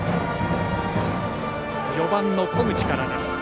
４番の小口からです。